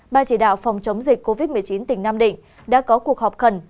ban chỉ đạo phòng chống dịch covid một mươi chín tỉnh nam định đã có cuộc họp khẩn